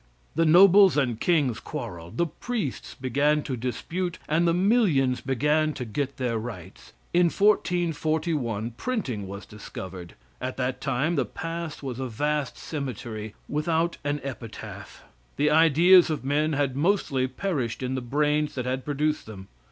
The nobles and the kings quarreled; the priests began to dispute, and the millions began to get their rights. In 1441 printing was discovered. At that time the past was a vast cemetery, without an epitaph. The ideas of men had mostly perished in the brains that had produced them.